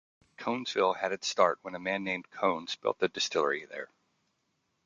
Conesville had its start when a man named Cones built a distillery there.